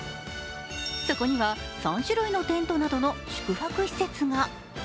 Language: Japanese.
そこには３種類のテントなどの宿泊施設が。